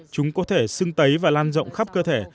chúng có thể xưng tấy và lan rộng khắp cơ thể